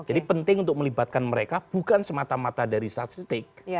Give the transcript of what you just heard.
jadi penting untuk melibatkan mereka bukan semata mata dari statistik